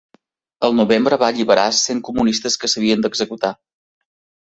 El novembre va alliberar cent comunistes que s'havien d'executar.